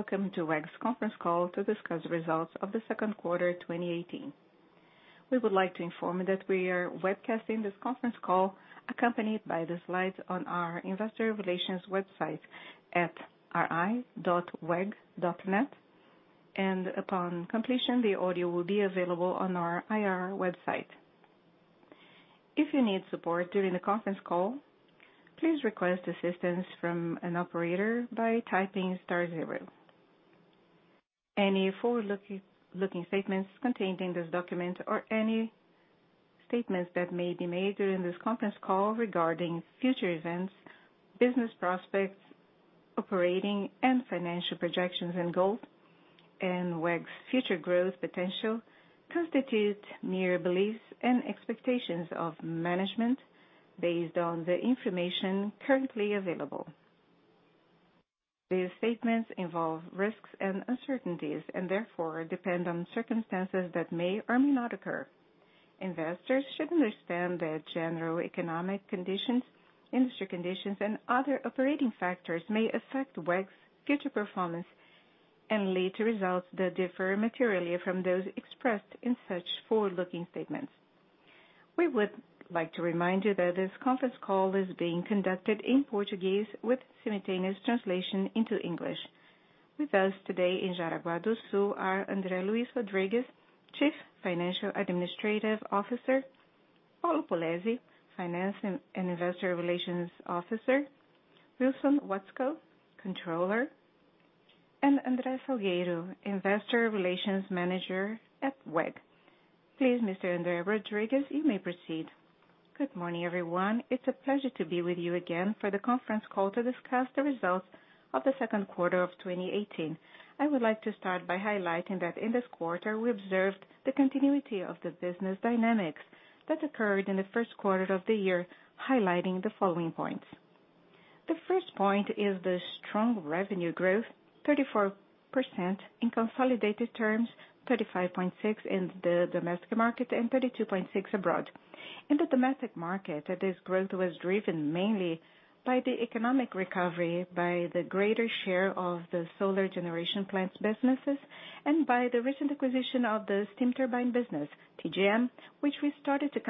Welcome to WEG's conference call to discuss results of the second quarter 2018. We would like to inform you that we are webcasting this conference call, accompanied by the slides on our investor relations website at ri.weg.net. Upon completion, the audio will be available on our IR website. If you need support during the conference call, please request assistance from an operator by typing star zero. Any forward-looking statements contained in this document or any statements that may be made during this conference call regarding future events, business prospects, operating and financial projections and goals, and WEG's future growth potential constitute mere beliefs and expectations of management based on the information currently available. These statements involve risks and uncertainties and therefore depend on circumstances that may or may not occur. Investors should understand that general economic conditions, industry conditions, and other operating factors may affect WEG's future performance and lead to results that differ materially from those expressed in such forward-looking statements. We would like to remind you that this conference call is being conducted in Portuguese with simultaneous translation into English. With us today in Jaraguá do Sul are André Luís Rodrigues, Chief Financial Administrative Officer, Paulo Polezi, Finance and Investor Relations Officer, Wilson Watzko, Controller, and André Salgueiro, Investor Relations Manager at WEG. Please, Mr. André Rodrigues, you may proceed. Good morning, everyone. It's a pleasure to be with you again for the conference call to discuss the results of the second quarter of 2018. I would like to start by highlighting that in this quarter, we observed the continuity of the business dynamics that occurred in the first quarter of the year, highlighting the following points. The first point is the strong revenue growth, 34% in consolidated terms, 35.6% in the domestic market, and 32.6% abroad. In the domestic market, this growth was driven mainly by the economic recovery, by the greater share of the solar generation plants businesses, and by the recent acquisition of the steam turbine business, TGM, which we started to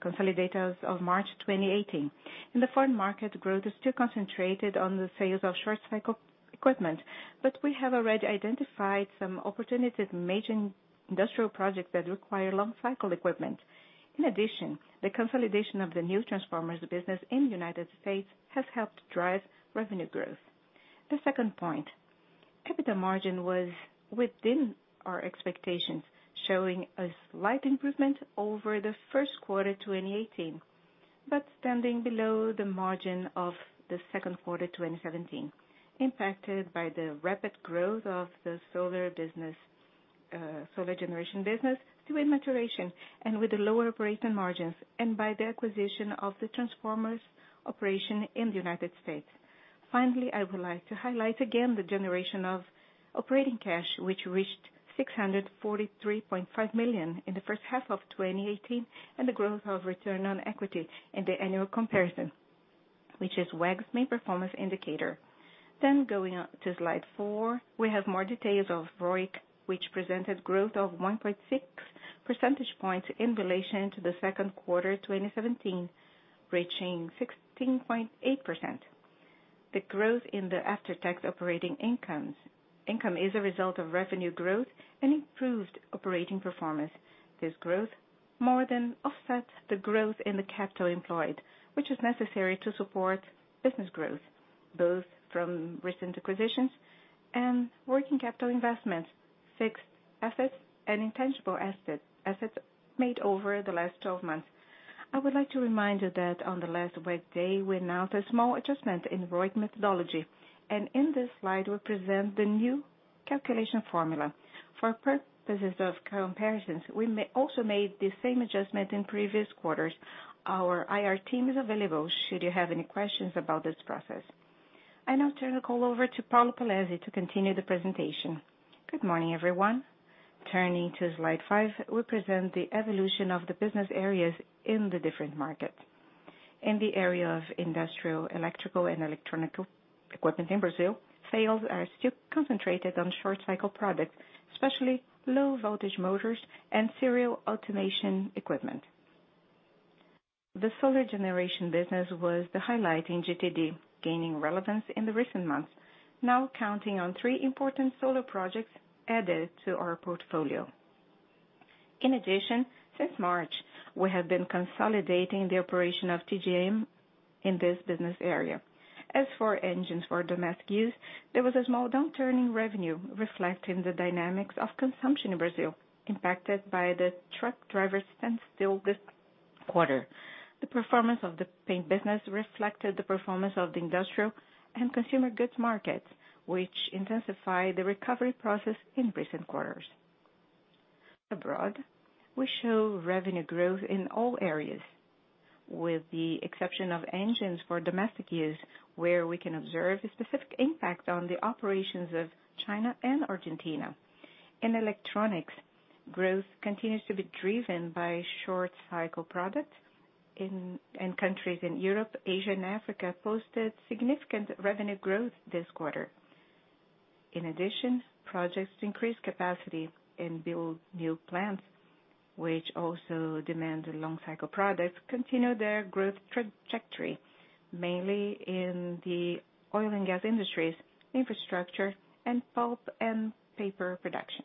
consolidate as of March 2018. In the foreign market, growth is still concentrated on the sales of short-cycle equipment, but we have already identified some opportunities in major industrial projects that require long-cycle equipment. In addition, the consolidation of the new transformers business in the United States has helped drive revenue growth. The second point, EBITDA margin was within our expectations, showing a slight improvement over the first quarter 2018, but standing below the margin of the second quarter 2017, impacted by the rapid growth of the solar generation business to immaturity and with the lower operating margins and by the acquisition of the transformers operation in the United States. Finally, I would like to highlight again the generation of operating cash, which reached 643.5 million in the first half of 2018, and the growth of return on equity in the annual comparison, which is WEG's main performance indicator. Going on to slide four, we have more details of ROIC, which presented growth of 1.6 percentage points in relation to the second quarter 2017, reaching 16.8%. The growth in the after-tax operating income is a result of revenue growth and improved operating performance. This growth more than offset the growth in the capital employed, which is necessary to support business growth, both from recent acquisitions and working capital investments, fixed assets, and intangible assets made over the last 12 months. I would like to remind you that on the last WEG Day, we announced a small adjustment in the ROIC methodology, and in this slide, we present the new calculation formula. For purposes of comparisons, we also made the same adjustment in previous quarters. Our IR team is available should you have any questions about this process. I now turn the call over to Paulo Polezi to continue the presentation. Good morning, everyone. Turning to slide five, we present the evolution of the business areas in the different markets. In the area of industrial, electrical, and electronic equipment in Brazil, sales are still concentrated on short-cycle products, especially low-voltage motors and serial automation equipment. The solar generation business was the highlight in GTD, gaining relevance in the recent months, now counting on three important solar projects added to our portfolio. In addition, since March, we have been consolidating the operation of TGM in this business area. As for engines for domestic use, there was a small downturn in revenue, reflecting the dynamics of consumption in Brazil, impacted by the truck driver standstill this quarter. The performance of the paint business reflected the performance of the industrial and consumer goods markets, which intensified the recovery process in recent quarters. Abroad, we show revenue growth in all areas, with the exception of engines for domestic use, where we can observe a specific impact on the operations of China and Argentina. In electronics, growth continues to be driven by short-cycle products. Countries in Europe, Asia, and Africa posted significant revenue growth this quarter. In addition, projects increased capacity and build new plants, which also demand long cycle products continue their growth trajectory, mainly in the oil and gas industries, infrastructure, and pulp and paper production.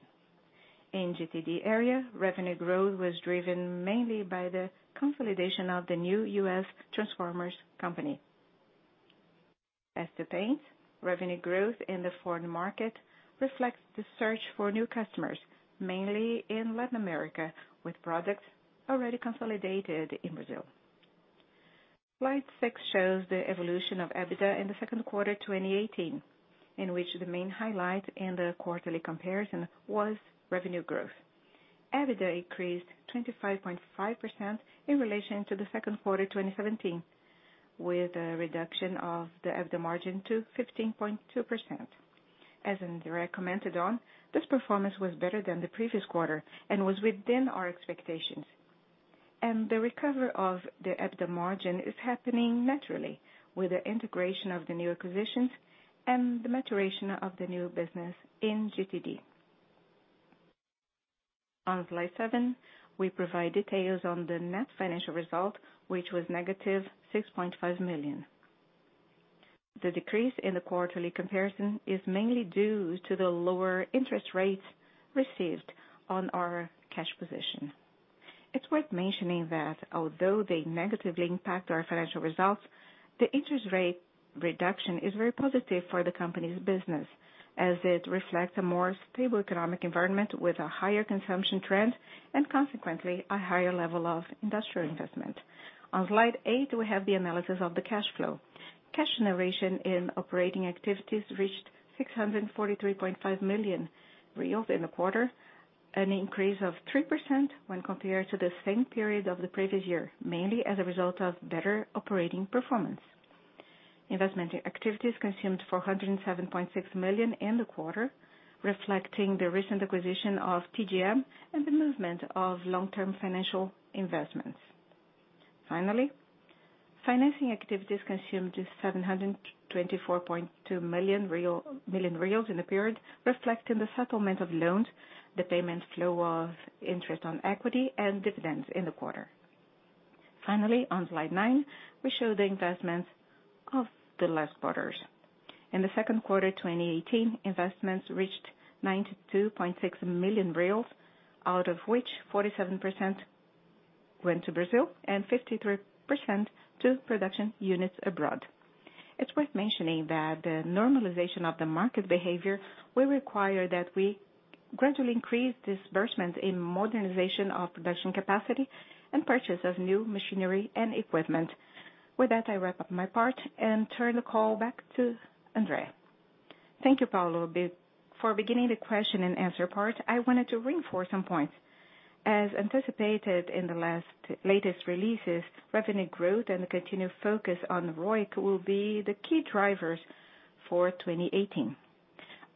In GTD area, revenue growth was driven mainly by the consolidation of the new U.S. transformers company. As to paints, revenue growth in the foreign market reflects the search for new customers, mainly in Latin America, with products already consolidated in Brazil. Slide six shows the evolution of EBITDA in the second quarter 2018, in which the main highlight in the quarterly comparison was revenue growth. EBITDA increased 25.5% in relation to the second quarter 2017, with a reduction of the EBITDA margin to 15.2%. As André commented on, this performance was better than the previous quarter and was within our expectations. The recovery of the EBITDA margin is happening naturally with the integration of the new acquisitions and the maturation of the new business in GTD. On slide seven, we provide details on the net financial result, which was negative 6.5 million. The decrease in the quarterly comparison is mainly due to the lower interest rates received on our cash position. It's worth mentioning that although they negatively impact our financial results, the interest rate reduction is very positive for the company's business, as it reflects a more stable economic environment with a higher consumption trend, and consequently, a higher level of industrial investment. On slide eight, we have the analysis of the cash flow. Cash generation in operating activities reached 643.5 million reais in the first of half of the year, an increase of 3% when compared to the same period of the previous year, mainly as a result of better operating performance. Investment activities consumed 407.6 million in the first half of the year, reflecting the recent acquisition of TGM and the movement of long-term financial investments. Finally, financing activities consumed 724.2 million real in the period, reflecting the settlement of loans, the payment flow of interest on equity and dividends in the first half of the year. Finally, on slide nine, we show the investments of the last quarters. In the second quarter 2018, investments reached 92.6 million reais, out of which 47% went to Brazil and 53% to production units abroad. It is worth mentioning that the normalization of the market behavior will require that we gradually increase disbursement in modernization of production capacity and purchase of new machinery and equipment. With that, I wrap up my part and turn the call back to André. Thank you, Paulo. Before beginning the question and answer part, I wanted to reinforce some points. As anticipated in the latest releases, revenue growth and the continued focus on ROIC will be the key drivers for 2018.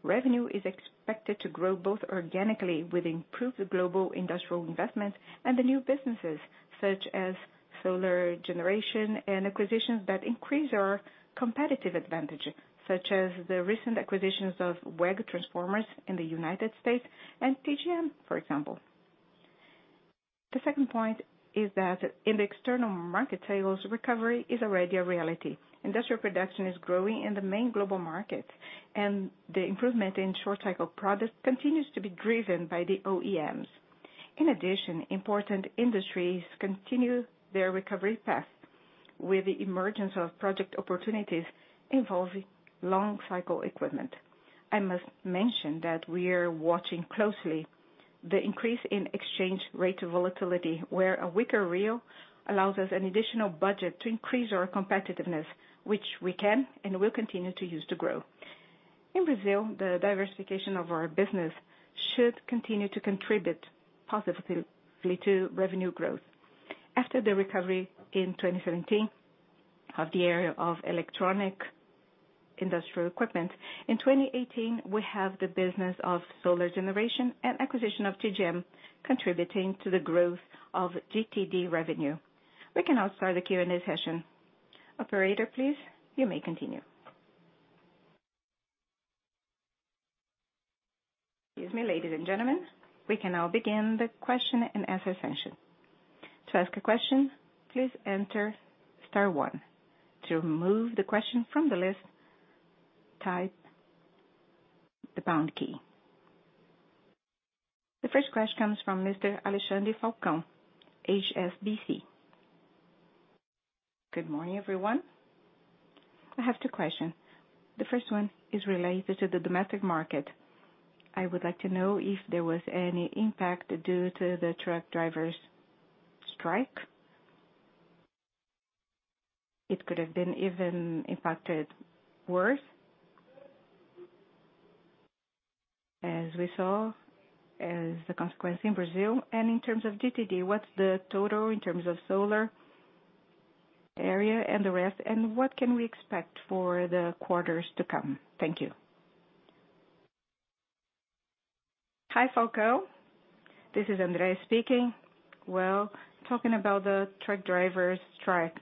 Revenue is expected to grow both organically with improved global industrial investments and the new businesses, such as solar generation and acquisitions that increase our competitive advantage, such as the recent acquisitions of WEG Transformers in the U.S. and TGM, for example. The second point is that in the external market tables, recovery is already a reality. Industrial production is growing in the main global markets, and the improvement in short cycle products continues to be driven by the OEMs. In addition, important industries continue their recovery path with the emergence of project opportunities involving long-cycle equipment. I must mention that we are watching closely the increase in exchange rate volatility, where a weaker real allows us an additional budget to increase our competitiveness, which we can and will continue to use to grow. In Brazil, the diversification of our business should continue to contribute positively to revenue growth. After the recovery in 2017 of the area of electronic industrial equipment. In 2018, we have the business of solar generation and acquisition of TGM contributing to the growth of GTD revenue. We can now start the Q&A session. Operator, please, you may continue. Excuse me, ladies and gentlemen. We can now begin the question and answer session. To ask a question, please enter star one. To remove the question from the list, type the pound key. The first question comes from Mr. Alexandre Falcão, HSBC. Good morning, everyone. I have two questions. The first one is related to the domestic market. I would like to know if there was any impact due to the truck drivers strike. It could have been even impacted worse as we saw as the consequence in Brazil. In terms of GTD, what is the total in terms of solar area and the rest, and what can we expect for the quarters to come? Thank you. Hi, Falcão. This is André speaking. Well, talking about the truck drivers strike,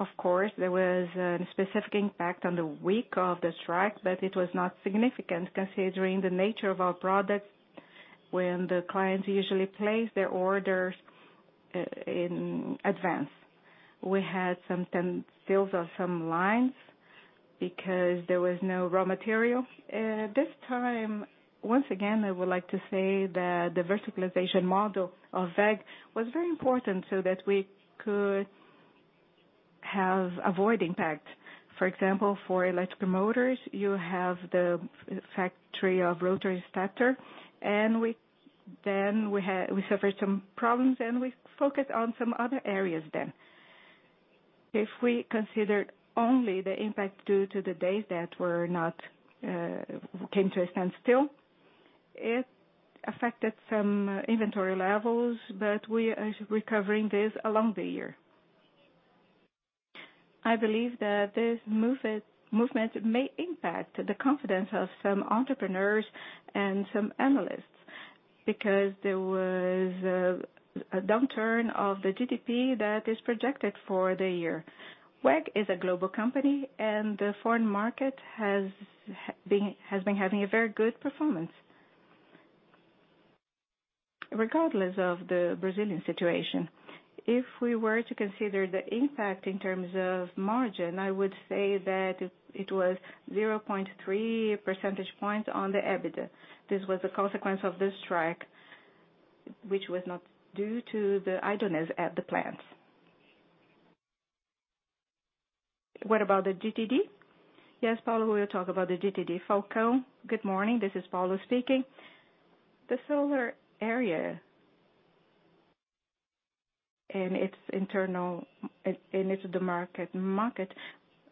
of course, there was a specific impact on the week of the strike, but it was not significant considering the nature of our products, when the clients usually place their orders in advance. We had some stalls of some lines because there was no raw material. At this time, once again, I would like to say that the verticalization model of WEG was very important so that we could have avoid impact. For example, for electric motors, you have the factory of rotary starter. We suffered some problems, we focused on some other areas then. If we consider only the impact due to the days that came to a standstill, it affected some inventory levels, we are recovering this along the year. I believe that this movement may impact the confidence of some entrepreneurs and some analysts, there was a downturn of the GDP that is projected for the year. WEG is a global company, the foreign market has been having a very good performance regardless of the Brazilian situation. If we were to consider the impact in terms of margin, I would say that it was 0.3 percentage points on the EBITDA. This was a consequence of the strike, which was not due to the idleness at the plants. What about the GTD? Yes, Paulo will talk about the GTD. Falcão, good morning. This is Paulo speaking. The solar area its internal, into the market.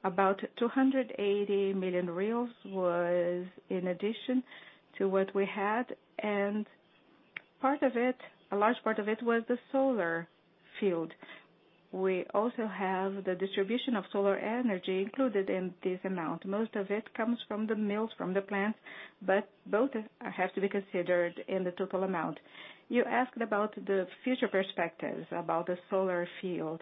About 280 million reais was in addition to what we had, a large part of it was the solar field. We also have the distribution of solar energy included in this amount. Most of it comes from the mills, from the plants, both have to be considered in the total amount. You asked about the future perspectives, about the solar field.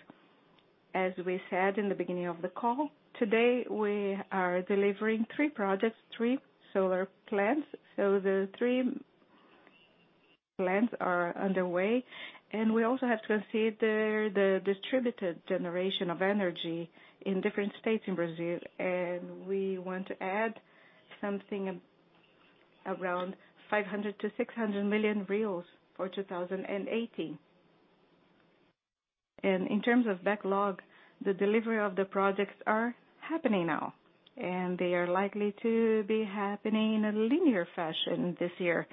We said in the beginning of the call, today we are delivering three projects, three solar plants. The three plants are underway, we also have to consider the distributed generation of energy in different states in Brazil. We want to add something around 500 million to 600 million for 2018. In terms of backlog, the delivery of the projects are happening now, they are likely to be happening in a linear fashion this year.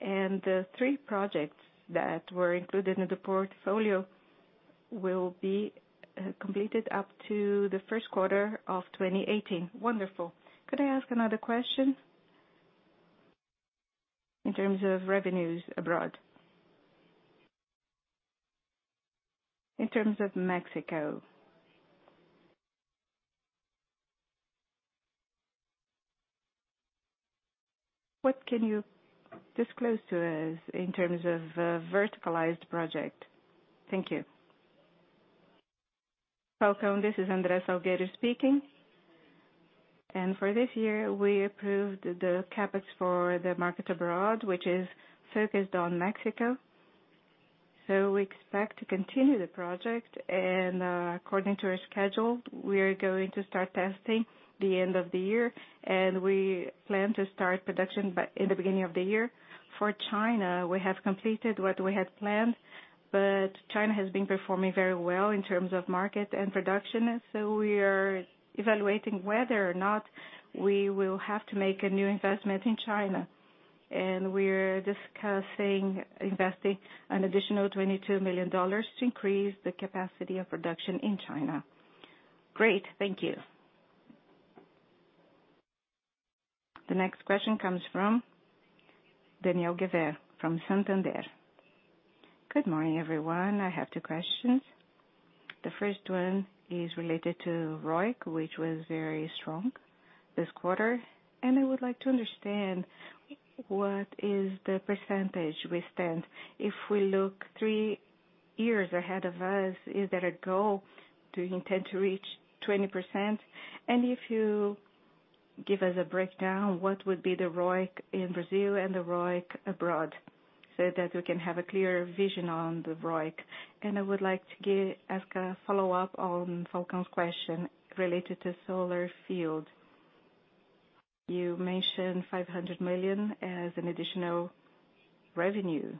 The three projects that were included in the portfolio will be completed up to the first quarter of 2019. Wonderful. Could I ask another question? In terms of revenues abroad. In terms of Mexico. What can you disclose to us in terms of verticalized project? Thank you. Falcão, this is André Salgueiro speaking. For this year, we approved the CapEx for the market abroad, which is focused on Mexico. We expect to continue the project, according to our schedule, we are going to start testing the end of the year. We plan to start production in the beginning of the year. For China, we have completed what we had planned, China has been performing very well in terms of market and production. We are evaluating whether or not we will have to make a new investment in China. We're discussing investing an additional $22 million to increase the capacity of production in China. Great. Thank you. The next question comes from Daniel Gewehr from Santander. Good morning, everyone. I have two questions. The first one is related to ROIC, which was very strong this quarter, I would like to understand what is the percentage we stand. If we look three years ahead of us, is there a goal? Do you intend to reach 20%? If you give us a breakdown, what would be the ROIC in Brazil and the ROIC abroad, so that we can have a clear vision on the ROIC. I would like to ask a follow-up on Falcão's question related to solar field. You mentioned 500 million as an additional revenue.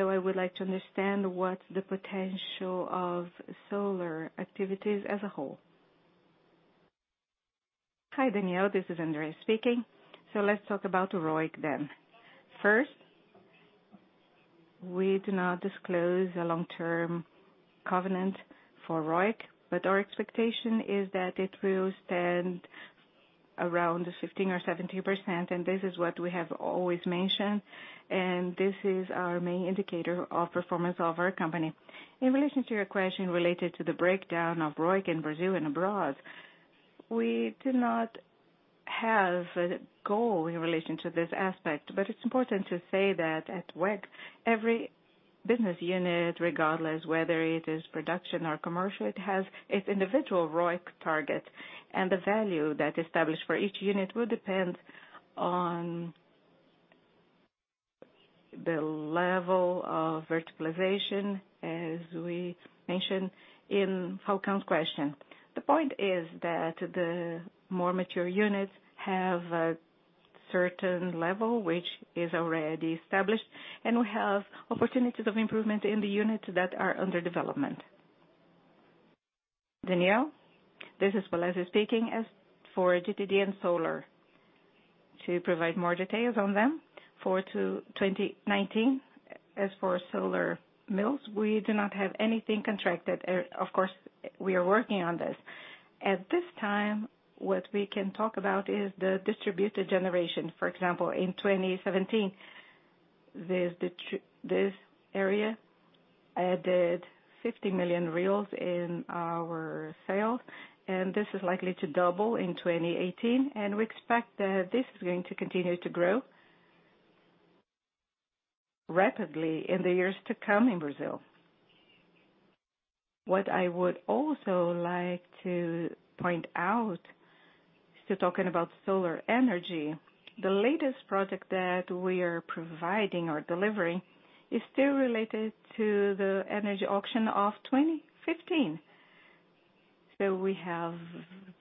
I would like to understand what's the potential of solar activities as a whole. Hi, Daniel. This is André speaking. Let's talk about the ROIC then. First, we do not disclose a long-term covenant for ROIC, but our expectation is that it will stand around 15% or 17%, and this is what we have always mentioned, and this is our main indicator of performance of our company. In relation to your question related to the breakdown of ROIC in Brazil and abroad, we do not have a goal in relation to this aspect. It's important to say that at WEG, every business unit, regardless whether it is production or commercial, it has its individual ROIC target, and the value that established for each unit will depend on the level of verticalization, as we mentioned in Falcão's question. The point is that the more mature units have a certain level, which is already established, and we have opportunities of improvement in the units that are under development. Daniel, this is Polezi speaking. As for GTD and Solar, to provide more details on them. For 2019, as for solar mills, we do not have anything contracted. Of course, we are working on this. At this time, what we can talk about is the distributed generation. For example, in 2017, this area added 50 million in our sales. This is likely to double in 2018. We expect that this is going to continue to grow rapidly in the years to come in Brazil. What I would also like to point out, still talking about solar energy, the latest project that we are providing or delivering is still related to the energy auction of 2015. We have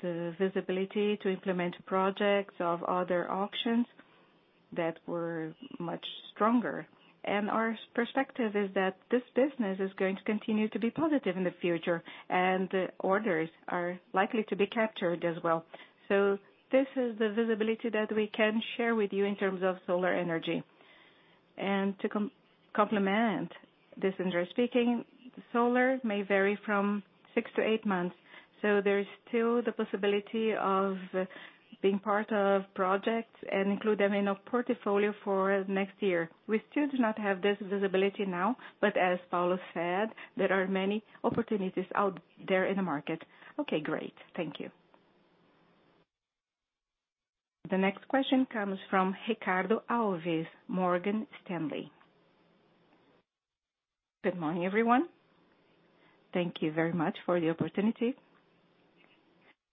the visibility to implement projects of other auctions that were much stronger. Our perspective is that this business is going to continue to be positive in the future, and the orders are likely to be captured as well. This is the visibility that we can share with you in terms of solar energy. To complement this, and directly speaking, solar may vary from 6-8 months. There is still the possibility of being part of projects and include them in a portfolio for next year. We still do not have this visibility now. As Paulo said, there are many opportunities out there in the market. Okay, great. Thank you. The next question comes from Ricardo Alves, Morgan Stanley. Good morning, everyone. Thank you very much for the opportunity.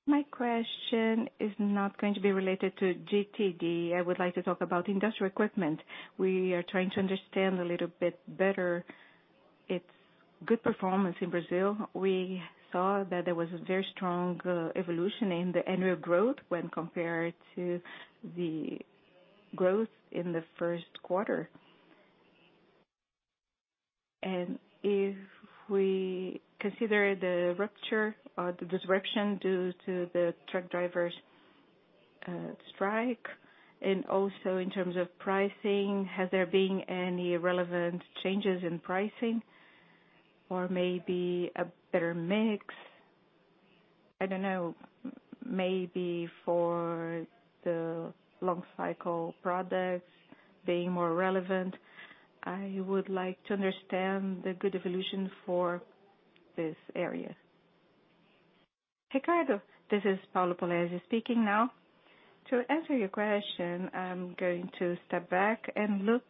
My question is not going to be related to GTD. I would like to talk about industrial equipment. We are trying to understand a little bit better its good performance in Brazil. We saw that there was a very strong evolution in the annual growth when compared to the growth in the first quarter. If we consider the rupture or the disruption due to the truck drivers' strike, also in terms of pricing, has there been any relevant changes in pricing or maybe a better mix? I don't know, maybe for the long cycle products being more relevant. I would like to understand the good evolution for this area. Ricardo, this is Paulo Polezi speaking now. To answer your question, I'm going to step back and look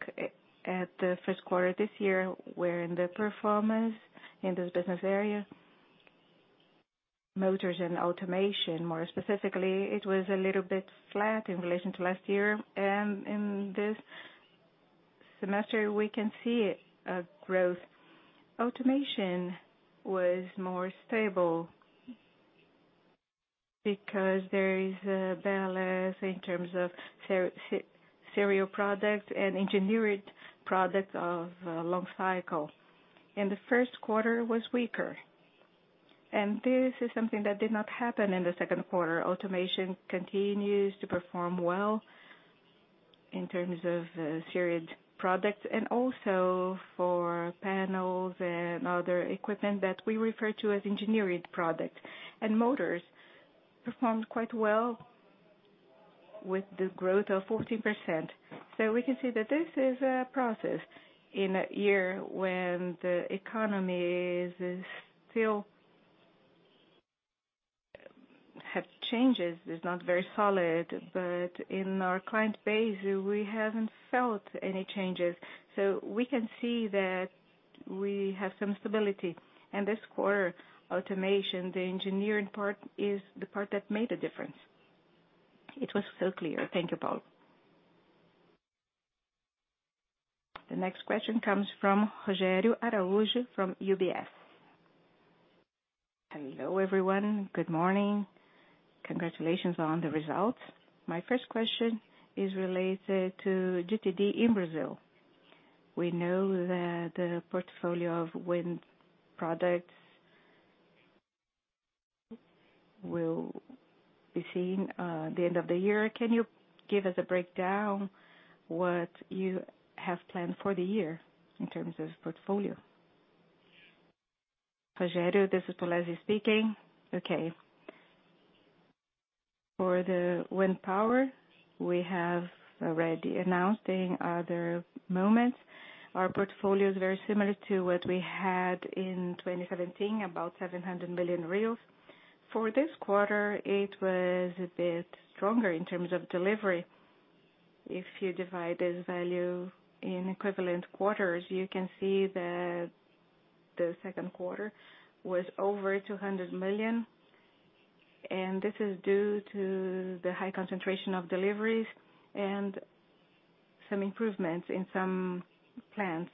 at the first quarter this year, where in the performance in this business area, motors and automation, more specifically, it was a little bit flat in relation to last year. In this semester, we can see a growth. Automation was more stable because there is a balance in terms of serial products and engineered products of long cycle. The first quarter was weaker, this is something that did not happen in the second quarter. Automation continues to perform well in terms of the serial products and also for panels and other equipment that we refer to as engineered product. Motors performed quite well with the growth of 14%. We can see that this is a process in a year when the economy still have changes. It's not very solid, but in our client base, we haven't felt any changes. We can see that we have some stability. This quarter, automation, the engineering part is the part that made a difference. It was so clear. Thank you, Paulo. The next question comes from Rogério Araújo from UBS. Hello, everyone. Good morning. Congratulations on the results. My first question is related to GTD in Brazil. We know that the portfolio of wind products will be seen at the end of the year. Can you give us a breakdown what you have planned for the year in terms of portfolio? Rogério, this is Polezi speaking. For the wind power, we have already announced in other moments. Our portfolio is very similar to what we had in 2017, about 700 million. For this quarter, it was a bit stronger in terms of delivery. If you divide this value in equivalent quarters, you can see that the second quarter was over 200 million, and this is due to the high concentration of deliveries and some improvements in some plants.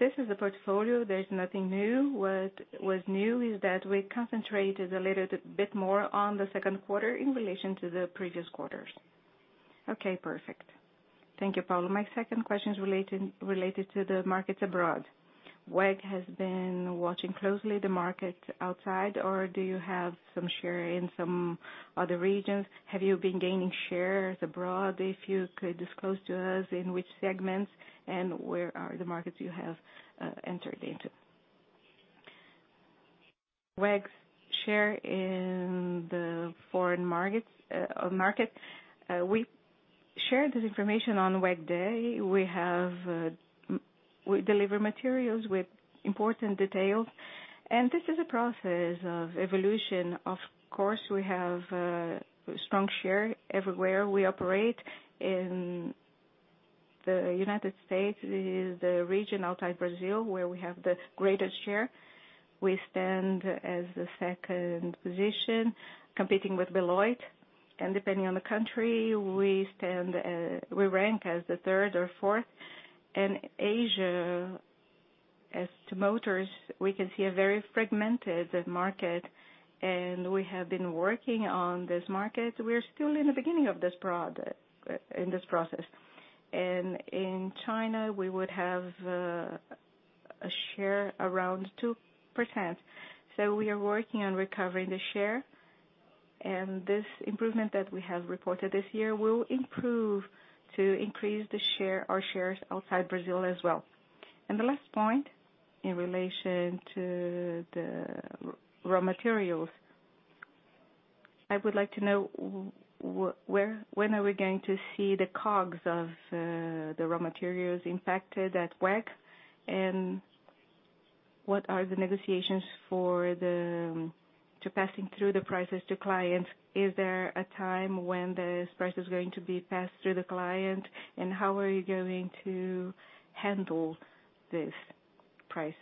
This is the portfolio. There is nothing new. What was new is that we concentrated a little bit more on the second quarter in relation to the previous quarters. Perfect. Thank you, Paulo. My second question is related to the markets abroad. WEG has been watching closely the market outside, do you have some share in some other regions? Have you been gaining shares abroad? If you could disclose to us in which segments, and where are the markets you have entered into. WEG's share in the foreign market. We shared this information on WEG Day. We deliver materials with important details, this is a process of evolution. Of course, we have a strong share everywhere we operate. In the United States is the region outside Brazil, where we have the greatest share. We stand as the second position, competing with Baldor. Depending on the country, we rank as the third or fourth. In Asia, as to motors, we can see a very fragmented market, we have been working on this market. We're still in the beginning in this process. In China, we would have a share around 2%. We are working on recovering the share, and this improvement that we have reported this year will improve to increase our shares outside Brazil as well. The last point, in relation to the raw materials. I would like to know when are we going to see the COGS of the raw materials impacted at WEG? What are the negotiations to passing through the prices to clients? Is there a time when this price is going to be passed through the client? How are you going to handle this price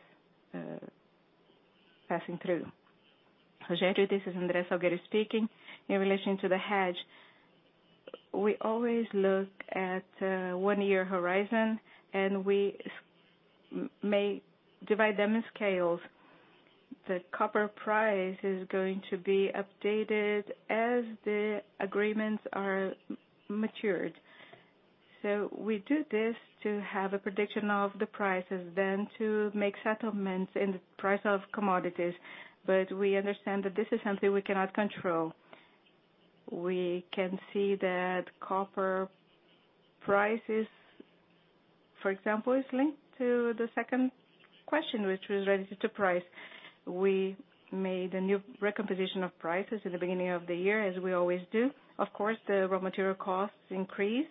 passing through? Rogério, this is André Salgueiro speaking. In relation to the hedge, we always look at one-year horizon and we may divide them in scales. The copper price is going to be updated as the agreements are matured. We do this to have a prediction of the prices then to make settlements in the price of commodities. We understand that this is something we cannot control. We can see that copper prices, for example, is linked to the second question, which was related to price. We made a new recomposition of prices at the beginning of the year, as we always do. Of course, the raw material costs increased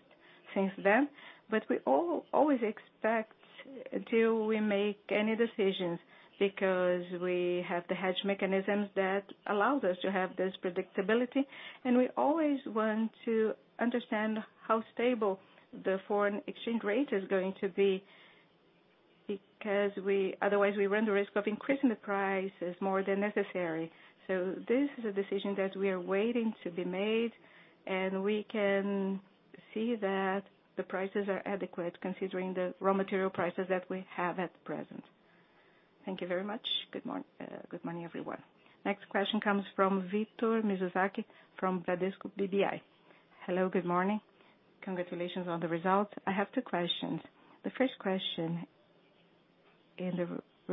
since then. We always expect until we make any decisions because we have the hedge mechanisms that allows us to have this predictability, and we always want to understand how stable the foreign exchange rate is going to be. Otherwise, we run the risk of increasing the prices more than necessary. This is a decision that we are waiting to be made, and we can see that the prices are adequate considering the raw material prices that we have at present. Thank you very much. Good morning, everyone. Next question comes from Victor Mizusaki, from Bradesco BBI. Hello, good morning. Congratulations on the results. I have two questions. The first question, in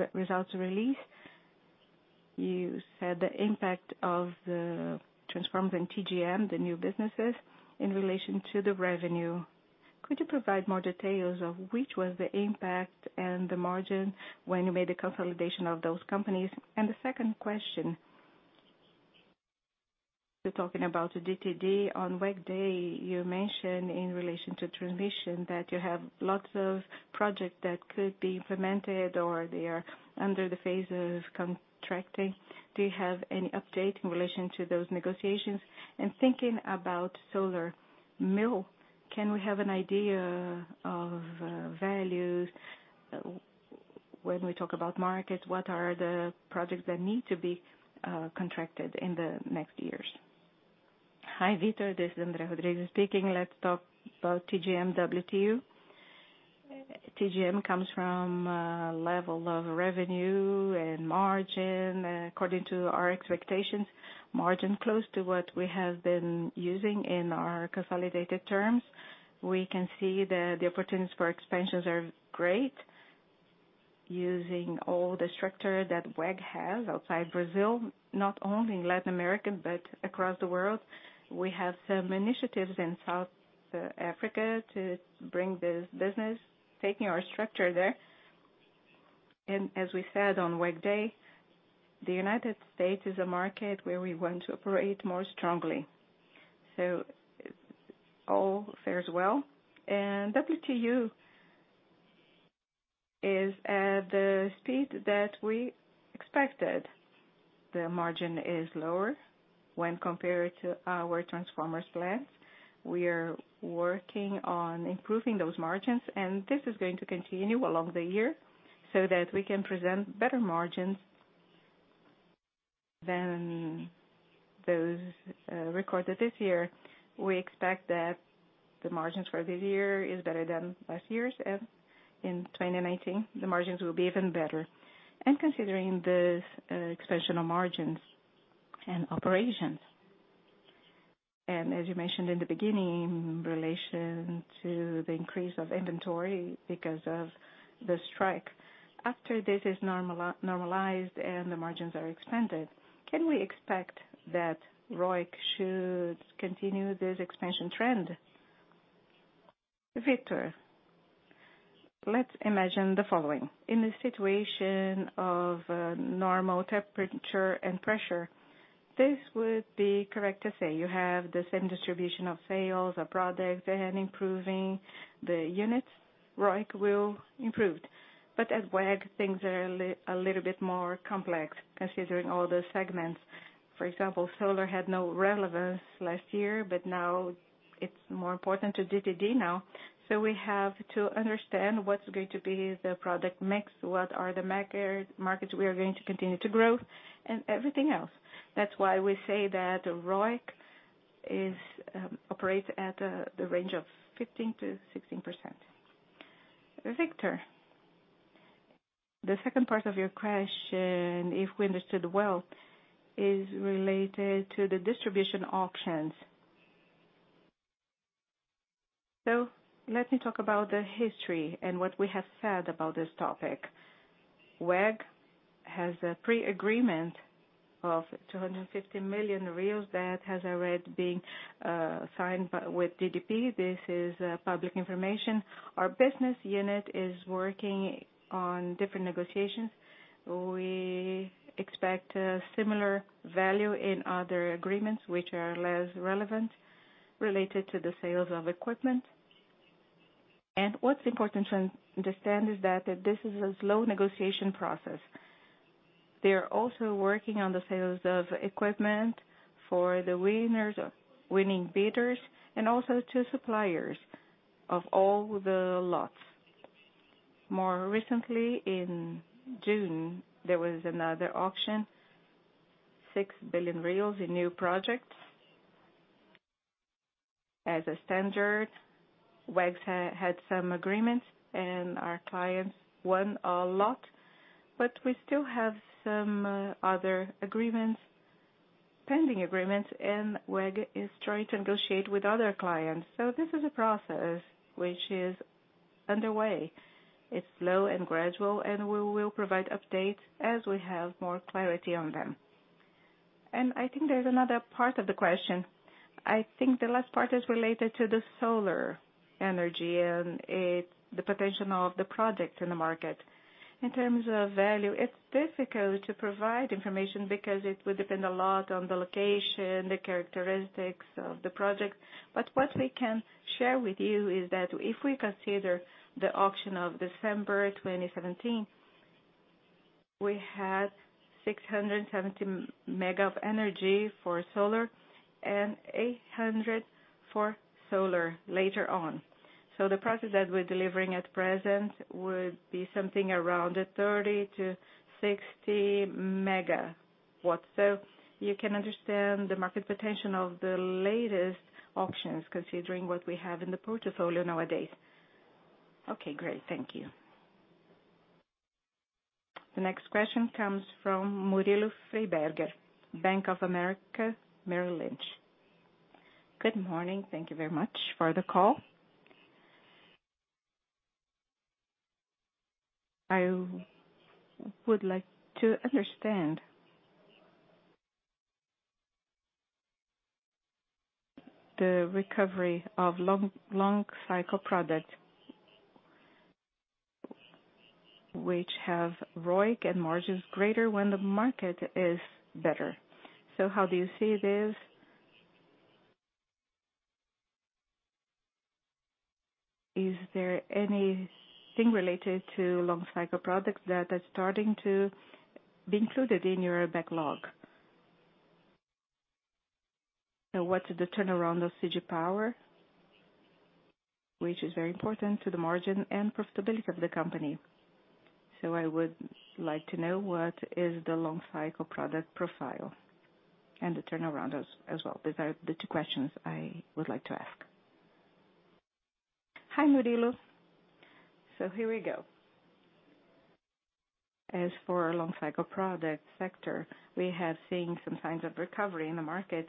the results release, you said the impact of the Transformers and TGM, the new businesses, in relation to the revenue. Could you provide more details of which was the impact and the margin when you made the consolidation of those companies? The second question. You're talking about GTD. On WEG Day, you mentioned in relation to transmission that you have lots of projects that could be implemented, or they are under the phase of contracting. Do you have any update in relation to those negotiations? Thinking about Solar Mill, can we have an idea of values when we talk about market? What are the projects that need to be contracted in the next years? Hi, Victor. This is André Rodrigues speaking. Let's talk about TGMW to you. TGM comes from a level of revenue and margin. According to our expectations, margin close to what we have been using in our consolidated terms. We can see that the opportunities for expansions are great using all the structure that WEG has outside Brazil, not only in Latin America, but across the world. We have some initiatives in South Africa to bring this business, taking our structure there. As we said on WEG Day, the United States is a market where we want to operate more strongly. All fares well. WTU is at the speed that we expected. The margin is lower when compared to our transformers plants. We are working on improving those margins. This is going to continue along the year so that we can present better margins than those recorded this year. We expect that the margins for this year is better than last year's. In 2019, the margins will be even better. Considering the expansion of margins and operations, as you mentioned in the beginning, in relation to the increase of inventory because of the strike, after this is normalized, the margins are expanded, can we expect that ROIC should continue this expansion trend? Victor, let's imagine the following. In a situation of normal temperature and pressure, this would be correct to say you have the same distribution of sales, a product, and improving the units, ROIC will improve. At WEG, things are a little bit more complex considering all the segments. For example, Solar had no relevance last year, but now it's more important to DTP now. We have to understand what's going to be the product mix, what are the markets we are going to continue to grow, and everything else. That's why we say that ROIC operates at the range of 15%-16%. Victor, the second part of your question, if we understood well, is related to the distribution auctions. Let me talk about the history and what we have said about this topic. WEG has a pre-agreement of 250 million that has already been signed with DTP. This is public information. Our business unit is working on different negotiations. We expect a similar value in other agreements which are less relevant, related to the sales of equipment. What's important to understand is that this is a slow negotiation process. They are also working on the sales of equipment for the winning bidders. Also to suppliers of all the lots. More recently, in June, there was another auction, 6 billion reais in new projects. As a standard, WEG had some agreements. Our clients won a lot, but we still have some other pending agreements. WEG is trying to negotiate with other clients. This is a process which is underway. It's slow and gradual, and we will provide updates as we have more clarity on them. I think there's another part of the question. I think the last part is related to the solar energy and the potential of the product in the market. In terms of value, it's difficult to provide information because it would depend a lot on the location, the characteristics of the project. What we can share with you is that if we consider the auction of December 2017, we had 670 MW of energy for solar and 800 MW for solar later on. The projects that we're delivering at present would be something around 30-60 MW. You can understand the market potential of the latest auctions considering what we have in the portfolio nowadays. Okay, great. Thank you. The next question comes from Murilo Freiberger, Bank of America, Merrill Lynch. Good morning. Thank you very much for the call. I would like to understand the recovery of long cycle products, which have ROIC and margins greater when the market is better. How do you see this? Is there anything related to long cycle products that are starting to be included in your backlog? What is the turnaround of CG Power, which is very important to the margin and profitability of the company. I would like to know what is the long cycle product profile and the turnaround as well. These are the two questions I would like to ask. Hi, Murilo. Here we go. As for our long cycle product sector, we have seen some signs of recovery in the market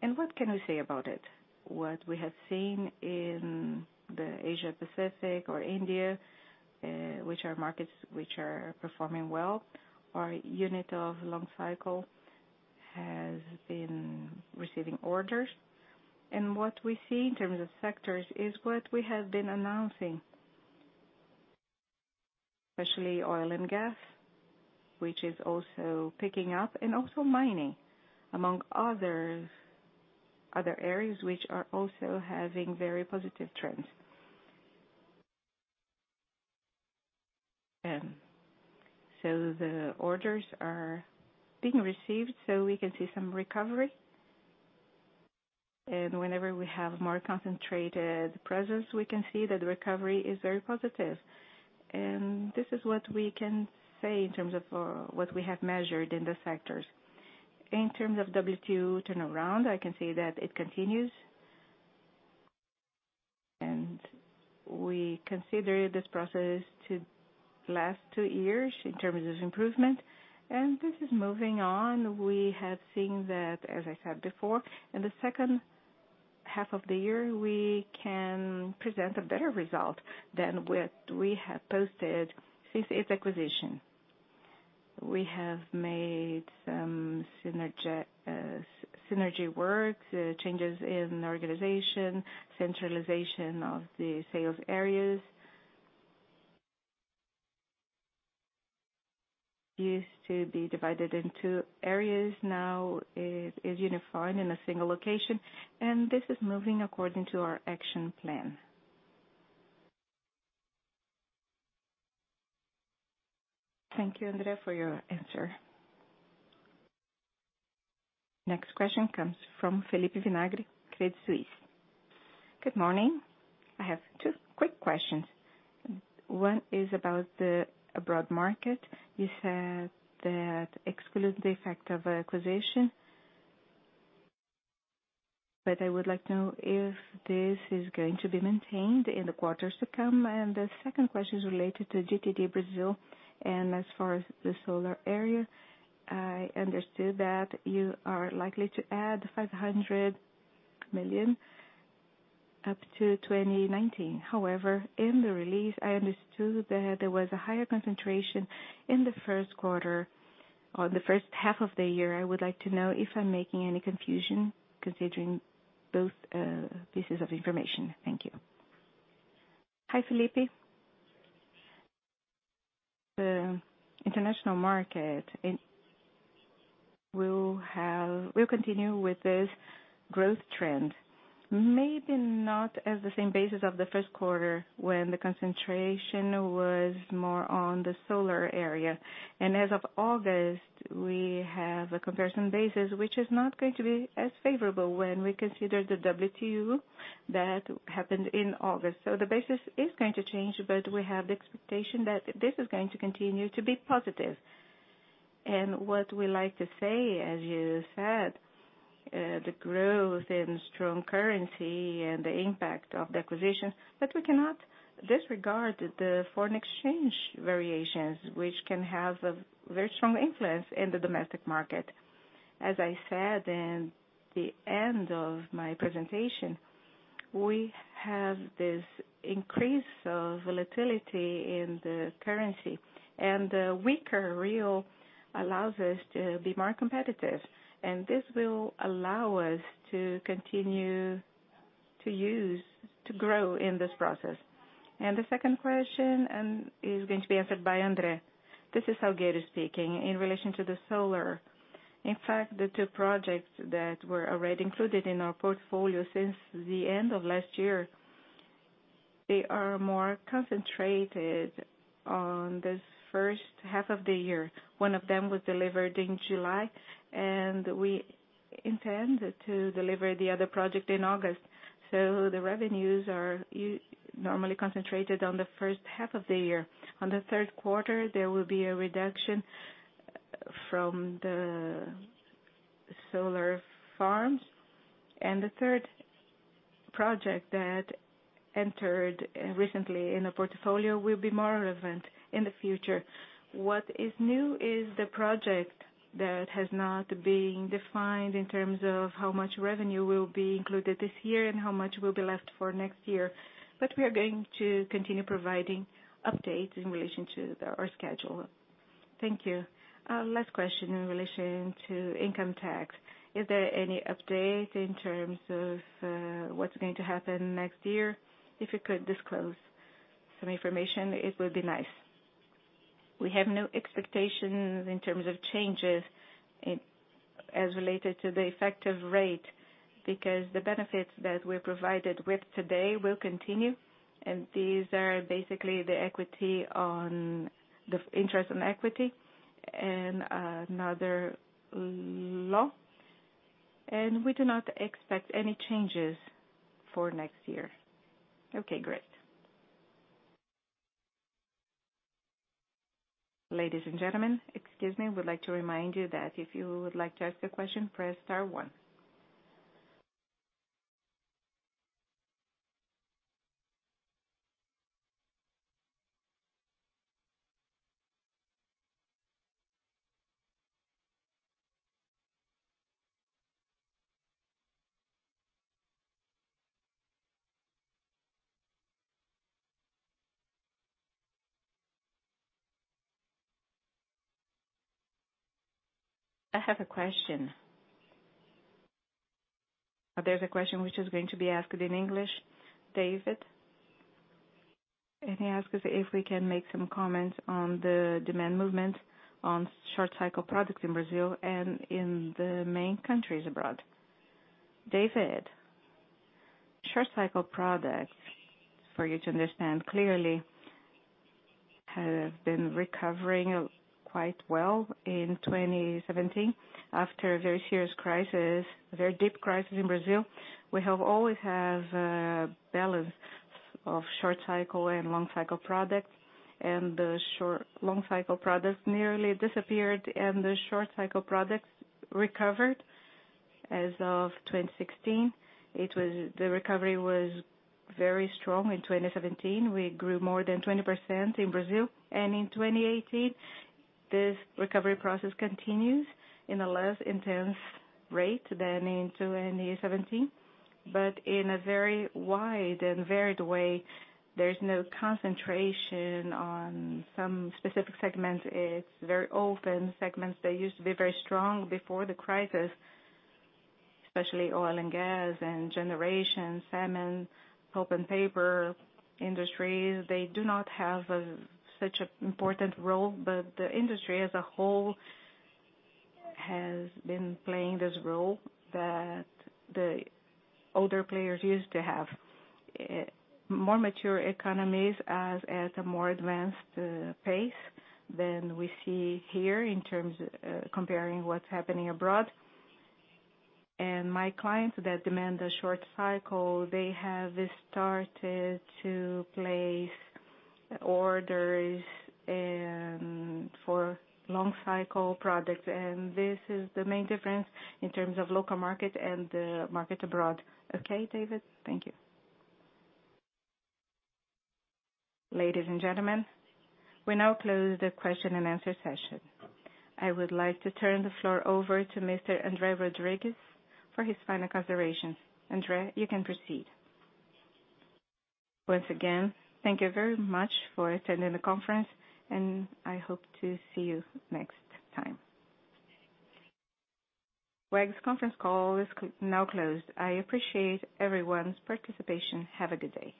and what can we say about it? What we have seen in the Asia-Pacific or India, which are markets which are performing well, our unit of long cycle has been receiving orders. What we see in terms of sectors is what we have been announcing. Especially oil and gas, which is also picking up, and also mining, among other areas which are also having very positive trends. The orders are being received, so we can see some recovery. Whenever we have more concentrated presence, we can see that the recovery is very positive. This is what we can say in terms of what we have measured in the sectors. In terms of WTU turnaround, I can say that it continues. We consider this process to last two years in terms of improvement. This is moving on. We have seen that, as I said before, in the second half of the year, we can present a better result than what we have posted since its acquisition. We have made some synergy work, changes in organization, centralization of the sales areas. Used to be divided in two areas, now is unified in a single location. This is moving according to our action plan. Thank you, André, for your answer. Next question comes from Felipe Vinagre, Credit Suisse. Good morning. I have two quick questions. One is about the abroad market. You said that exclude the effect of acquisition. I would like to know if this is going to be maintained in the quarters to come. The second question is related to GTD Brazil. As far as the solar area, I understood that you are likely to add 500 million up to 2019. However, in the release, I understood that there was a higher concentration in the first quarter or the first half of the year. I would like to know if I'm making any confusion considering both pieces of information. Thank you. Hi, Felipe. The international market will continue with this growth trend. Maybe not as the same basis of the first quarter when the concentration was more on the solar area. As of August, we have a comparison basis, which is not going to be as favorable when we consider the WTU that happened in August. The basis is going to change, but we have the expectation that this is going to continue to be positive. What we like to say, as you said, the growth in strong currency and the impact of the acquisition, but we cannot disregard the foreign exchange variations, which can have a very strong influence in the domestic market. As I said in the end of my presentation, we have this increase of volatility in the currency. The weaker real allows us to be more competitive, and this will allow us to continue to grow in this process. The second question is going to be answered by André. This is André Salgueiro speaking. In relation to the solar, in fact, the two projects that were already included in our portfolio since the end of last year, they are more concentrated on this first half of the year. One of them was delivered in July, and we intend to deliver the other project in August. The revenues are normally concentrated on the first half of the year. On the third quarter, there will be a reduction from the solar farms, and the third project that entered recently in the portfolio will be more relevant in the future. What is new is the project that has not been defined in terms of how much revenue will be included this year and how much will be left for next year. We are going to continue providing updates in relation to our schedule. Thank you. Last question in relation to income tax. Is there any update in terms of what's going to happen next year? If you could disclose some information, it would be nice. We have no expectations in terms of changes as related to the effective rate because the benefits that we're provided with today will continue, and these are basically the interest on equity and another law. We do not expect any changes for next year. Okay, great. Ladies and gentlemen, excuse me. I would like to remind you that if you would like to ask a question, press star one. I have a question. There's a question which is going to be asked in English. David? He asks if we can make some comments on the demand movement on short cycle products in Brazil and in the main countries abroad. David, short cycle products, for you to understand clearly, have been recovering quite well in 2017 after a very serious crisis, a very deep crisis in Brazil. We have always had a balance of short cycle and long cycle products. The long cycle products nearly disappeared, and the short cycle products recovered as of 2016. The recovery was very strong in 2017. We grew more than 20% in Brazil. In 2018, this recovery process continues in a less intense rate than in 2017, but in a very wide and varied way. There's no concentration on some specific segments. It's very open segments that used to be very strong before the crisis, especially oil and gas and generation, cement, pulp and paper industries. They do not have such an important role, but the industry as a whole has been playing this role that the older players used to have. More mature economies as at a more advanced pace than we see here in terms comparing what's happening abroad. My clients that demand a short cycle, they have started to place orders for long cycle products, and this is the main difference in terms of local market and the market abroad. Okay, David? Thank you. Ladies and gentlemen, we now close the question and answer session. I would like to turn the floor over to Mr. André Rodrigues for his final considerations. André, you can proceed. Once again, thank you very much for attending the conference, and I hope to see you next time. WEG's conference call is now closed. I appreciate everyone's participation. Have a good day.